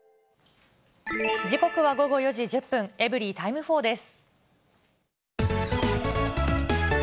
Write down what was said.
時刻は午後４時１０分、エブリィタイム４です。